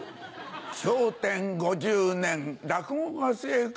『笑点』５０年落語家生活